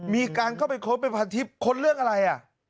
มีการเข้าไปค้นในพันทิศค้นเรื่องอะไร